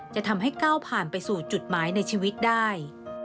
จะทำให้ก้าวผ่านไปสู่จุดหมายในชีวิตได้